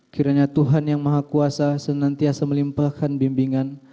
kiranya tuhan yang maha kuasa senantiasa melimpahkan bimbingan